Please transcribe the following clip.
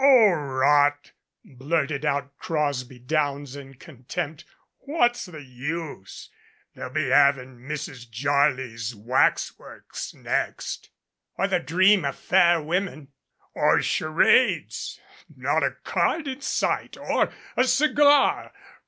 "Oh, rot !" blurted out Crosby Downs in contempt. "What's the use? They'll be havin' Mrs. Jarley's wax works next " "Or the 'Dream of Fair Women' " "Or charades. Not a card in sight or a cigar!